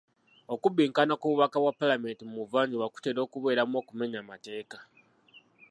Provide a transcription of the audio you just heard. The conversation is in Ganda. Okubbinkana ku bubaka bwa paalamenti mu buvanjuba kutera okubeeramu okumenya amateeka.